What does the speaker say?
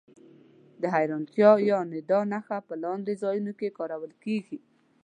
د حېرانتیا یا ندا نښه په لاندې ځایونو کې کارول کیږي.